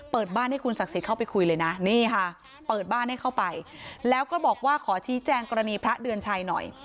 เปิดบ้านให้เข้าไปแล้วก็บอกว่าขอชี้แจงกรณีพระเดือนชัยหน่อย